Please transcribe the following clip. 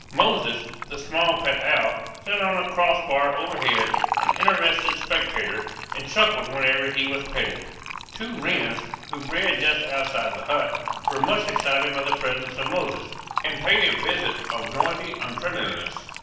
Moses, the small pet owl, sat on a cross bar overhead, an interested spectator, and chuckled whenever he was petted. Two wrens, who bred just outside the hut, were much excited by the presence of Moses, and paid him visits of noisy unfriendliness.